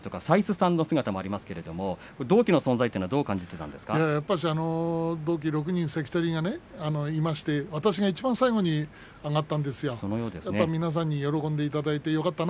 琴千歳さんなどの姿もありますが、同期の存在は同期６人関取がいまして私がいちばん最後に上がったんですよ。